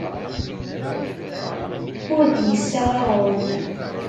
Ur d-yessaɣ aɣrum.